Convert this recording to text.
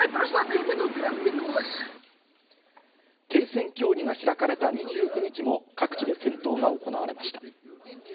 停戦協議が開かれた２９日も各地で戦闘が行われました。